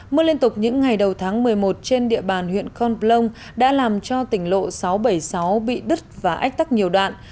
mưa liên tục những ngày đầu tháng một mươi một trên địa bàn huyện con plong đã làm cho tỉnh lộ sáu trăm bảy mươi sáu bị đứt và ách tắc nhiều đoạn